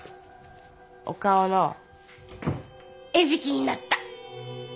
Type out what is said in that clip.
岡尾の餌食になった。